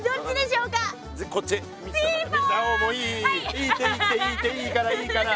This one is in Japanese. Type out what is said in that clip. いいっていいっていいっていいからいいから！